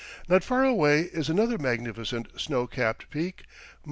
Not far away is another magnificent snow capped peak, Mt.